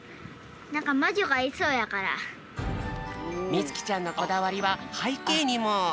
みつきちゃんのこだわりははいけいにも。